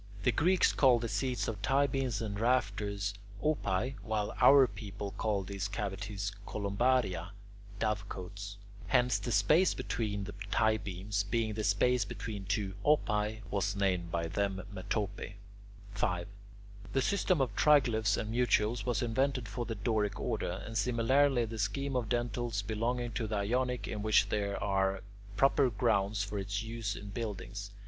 The Greeks call the seats of tie beams and rafters [Greek: opai], while our people call these cavities columbaria (dovecotes). Hence, the space between the tie beams, being the space between two "opae," was named by them [Greek: metope]. 5. The system of triglyphs and mutules was invented for the Doric order, and similarly the scheme of dentils belongs to the Ionic, in which there are proper grounds for its use in buildings.